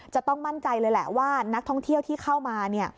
จะต้องมั่นใจเลยแหละว่านักท่องเที่ยวที่เข้ามาเนี่ย